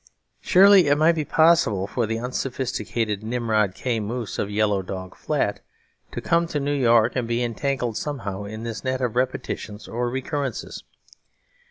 Surely it might be possible for the unsophisticated Nimrod K. Moose, of Yellow Dog Flat, to come to New York and be entangled somehow in this net of repetitions or recurrences.